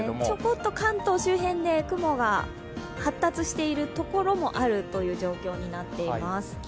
ちょこっと関東周辺で雲が発達しているところもあるという状況になっています。